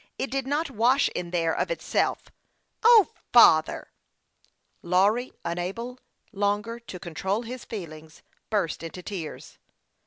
It did not wash in there of itself. O, father !" Lawry, unable longer to control his feelings, burst into tears.